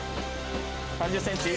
３０センチ。